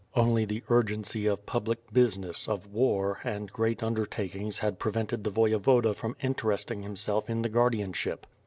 Only the urgency of public business, of war, and great under takings had prevented the voyevoda from interesting himself in the guardianship.